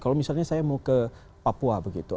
kalau misalnya saya mau ke papua begitu